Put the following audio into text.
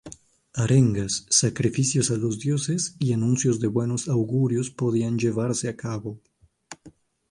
Arengas, sacrificios a los dioses y anuncios de buenos augurios podían llevarse a cabo.